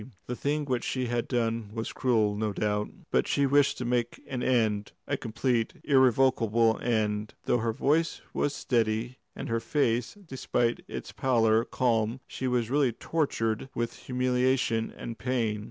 The thing which she had done was cruel, no doubt. But she wished to make an end a complete, irrevocable end; though her voice was steady and her face, despite its pallor, calm, she was really tortured with humiliation and pain.